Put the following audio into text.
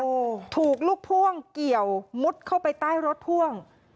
โอ้โหถูกลูกพ่วงเกี่ยวมุดเข้าไปใต้รถพ่วง